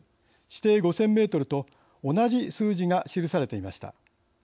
視程５０００メートルと同じ数字が記されていました。